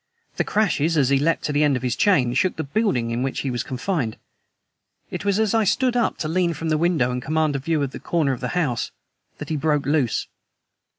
The crashes, as he leapt to the end of his chain, shook the building in which he was confined. It was as I stood up to lean from the window and commanded a view of the corner of the house that he broke loose.